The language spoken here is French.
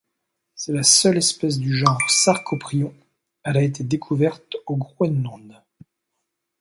C'est la seule espèce du genre Sarcoprion, elle a été découverte au Groenland.